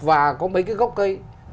và có mấy cái gốc cây